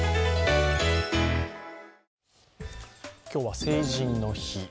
今日は成人の日。